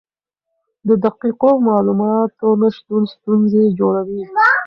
د دقیقو معلوماتو نشتون ستونزې جوړوي.